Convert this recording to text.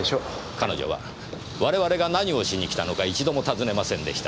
彼女は我々が何をしに来たのか一度も尋ねませんでした。